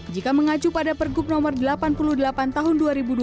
jika mengacu pada pergub nomor delapan puluh delapan tahun dua ribu dua puluh